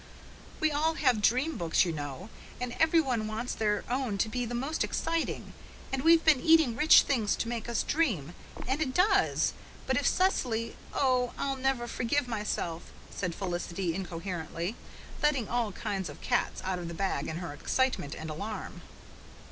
We all have dream books, you know, and every one wants their own to be the most exciting and we've been eating rich things to make us dream and it does but if Cecily oh, I'll never forgive myself," said Felicity, incoherently, letting all kinds of cats out of the bag in her excitement and alarm.